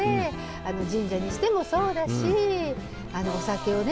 あの神社にしてもそうだしお酒をね